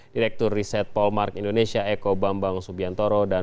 direktur riset polmark indonesia eko bambang subiantoro dan